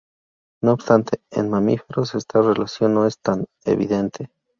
No obstante, en mamíferos esta relación no es tan evidente.